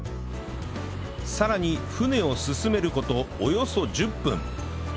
さらに船を進める事およそ１０分